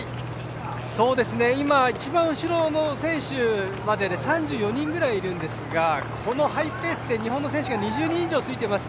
今、一番後ろの選手までで３４人ぐらいいますがこのハイペースで日本の選手が２０人以上付いています。